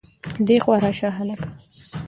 دېخوا راشه هلکه